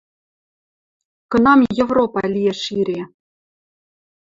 Кынам Европа лиэш ире